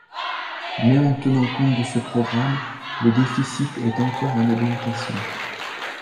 Même en tenant compte de ce programme, le déficit est encore en augmentation.